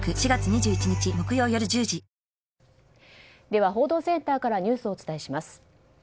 では報道センターからニュースをお伝えします。